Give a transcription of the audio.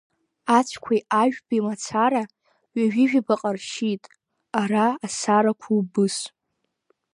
Ацәқәеи ажәқәеи мацара ҩажәи жәабаҟа ршьит, ара асарақәа убыс.